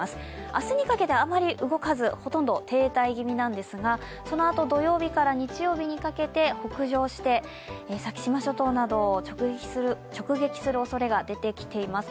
明日にかけてあまり動かずほとんど停滞気味なんですがそのあと土曜日から日曜日にかけて北上して先島諸島などを直撃するおそれが出てきています。